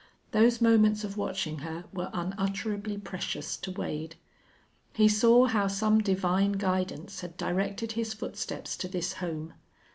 Those moments of watching her were unutterably precious to Wade. He saw how some divine guidance had directed his footsteps to this home.